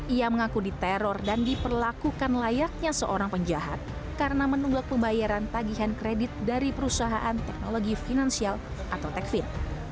ia mengaku diteror dan diperlakukan layaknya seorang penjahat karena menunggak pembayaran tagihan kredit dari perusahaan teknologi finansial atau tekvin